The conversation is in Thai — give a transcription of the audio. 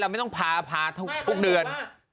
เราไม่ต้องผ่าปลูกเดือน